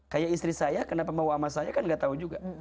kayak istri saya kenapa mau sama saya kan gak tahu juga